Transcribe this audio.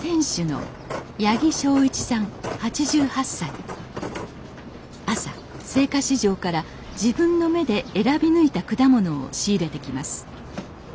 店主の朝青果市場から自分の目で選び抜いた果物を仕入れてきます